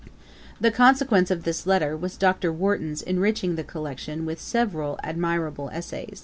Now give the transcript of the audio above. The consequence of this letter was, Dr. Warton's enriching the collection with several admirable essays.